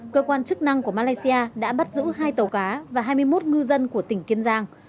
cơ quan chức năng của malaysia đã bắt giữ hai tàu cá và hai mươi một ngư dân của tỉnh kiên giang